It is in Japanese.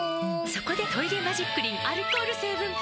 そこで「トイレマジックリン」アルコール成分プラス！